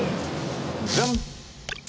ジャン！